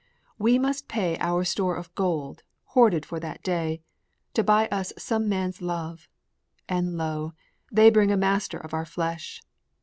We must pay Our store of gold, hoarded for that one day, To buy us some man's love; and lo, they bring A master of our flesh!